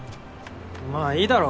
まあいいだろ。